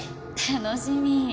楽しみ。